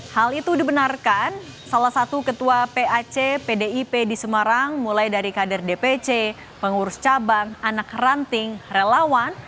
hal itu dibenarkan salah satu ketua pac pdip di semarang mulai dari kader dpc pengurus cabang anak ranting relawan